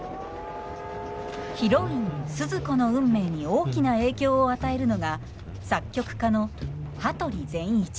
ヒロインスズ子の運命に大きな影響を与えるのが作曲家の羽鳥善一。